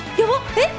えっ！？